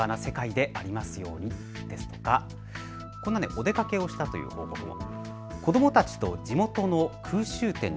お出かけをしたという方も。